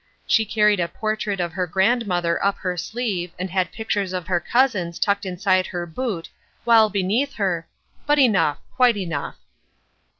She carried a portrait of her grandmother up her sleeve and had pictures of her cousins tucked inside her boot, while beneath her— but enough, quite enough.